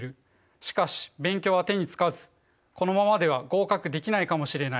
しかし勉強は手につかずこのままでは合格できないかもしれない。